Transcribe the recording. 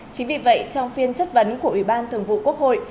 chính vì vậy trong phiên chất vấn của ủy ban thường vụ quốc hội